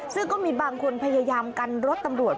ซึ่งก็มีบางคนพยายามกันรถตำรวจ